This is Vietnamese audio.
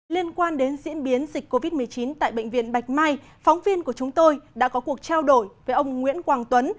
liên quan đến diễn biến dịch covid một mươi chín tại bệnh viện bạch mai phóng viên của chúng tôi đã có cuộc trao đổi với ông nguyễn quang tuấn